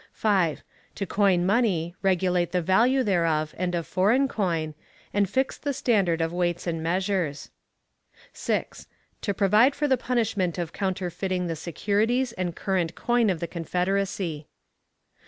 5. To coin money, regulate the value thereof and of foreign coin, and fix the standard of weights and measures. 6. To provide for the punishment of counterfeiting the securities and current coin of the Confederacy.